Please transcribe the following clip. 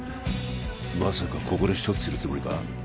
まさかここで処置するつもりか？